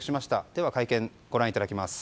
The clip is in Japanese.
では、会見をご覧いただきます。